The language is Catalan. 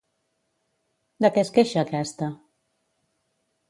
De què es queixa aquesta?